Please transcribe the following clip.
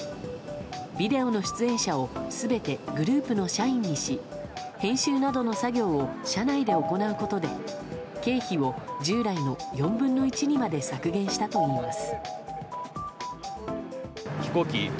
ビデオの出演者を全てグループの社員にし編集などの作業を社内で行うことで経費を従来の４分の１にまで削減したといいます。